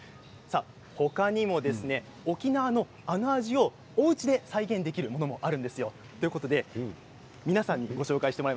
他にも沖縄のあの味をおうちで再現できるものもあの味？